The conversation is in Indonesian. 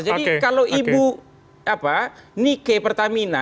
jadi kalau ibu nike pertamina